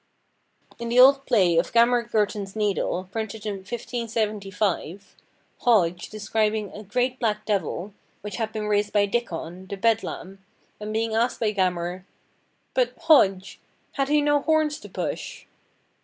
In the old play of Gammer Gurton's Needle, printed in 1575, Hodge, describing a "great black devil" which had been raised by Diccon, the bedlam, and being asked by Gammer— "But, Hodge, had he no horns to push?"